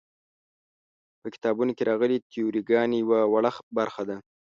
په کتابونو کې راغلې تیوري ګانې یوه وړه برخه ده.